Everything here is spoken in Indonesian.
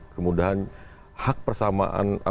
kemudahan hak persamaan